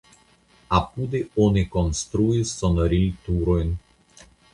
Apude oni konstruis sonoriloturojn.